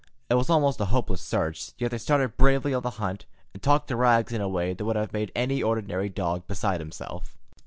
It was almost a hopeless search, yet they started bravely on the hunt, and talked to Rags in a way that would have made an ordinary dog beside himself.